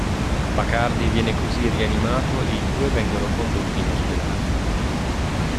Bacardi viene così rianimato e i due vengono condotti in ospedale.